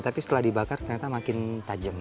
tapi setelah dibakar ternyata makin tajam